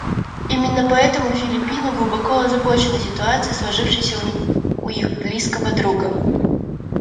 Именно поэтому Филиппины глубоко озабочены ситуацией, сложившейся у их близкого друга.